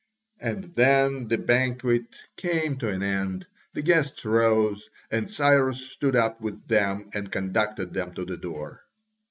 And then the banquet came to an end: the guests rose, and Cyrus stood up with them and conducted them to the door.